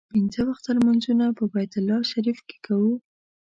پنځه وخته لمونځونه په بیت الله شریف کې کوو.